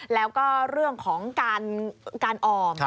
แล้วก็เรื่องของการออม